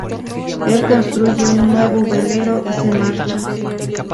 Él construye un nuevo velero y se marcha.